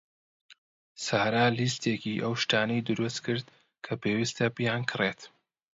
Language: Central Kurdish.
سارا لیستێکی ئەو شتانەی دروست کرد کە پێویستە بیانکڕێت.